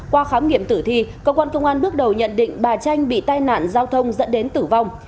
qua khám nghiệm tử thi cơ quan công an bước đầu nhận định bà chanh bị tai nạn giao thông dẫn đến tử vong